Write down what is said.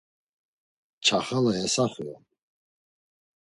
Çaxala yasaxi on.